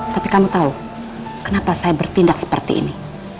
tapi kamu tahu kenapa saya bertindak seperti ini